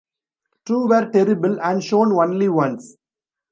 Two were terrible, and shown only once.